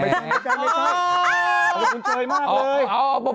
อ๋อมีคุณเจยมากเลย